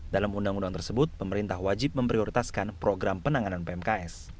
dalam undang undang tersebut pemerintah wajib memprioritaskan program penanganan pmks